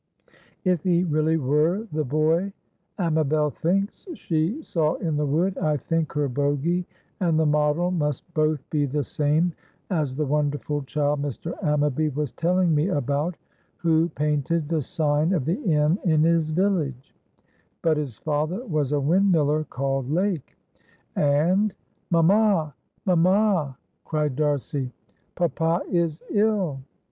If he really were the boy Amabel thinks she saw in the wood, I think her Bogy and the model must both be the same as a wonderful child Mr. Ammaby was telling me about, who painted the sign of the inn in his village; but his father was a windmiller called Lake, and"— "Mamma! mamma!" cried D'Arcy, "papa is ill."